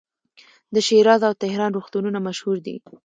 د شیراز او تهران روغتونونه مشهور دي.